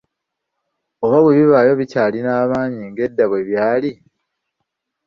Oba bwe bibaayo bikyalina amaanyi ng’edda bwe byali?